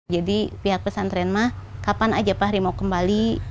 jadi pihak pesantren mah kapan aja fahri mau kembali